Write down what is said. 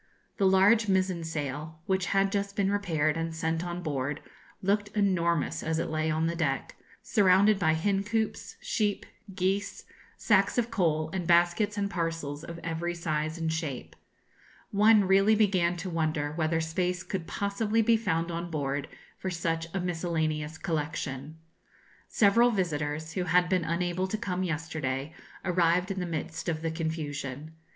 The large mizen sail, which had just been repaired and sent on board, looked enormous as it lay on the deck, surrounded by hen coops, sheep, geese, sacks of coal, and baskets and parcels of every size and shape. One really began to wonder whether space could possibly be found on board for such a miscellaneous collection. Several visitors, who had been unable to come yesterday, arrived in the midst of the confusion.